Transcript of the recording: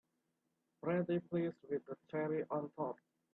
Pretty please with a cherry on top!